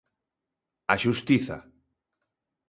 A xustiza.